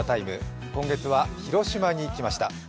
今月は広島に行きました。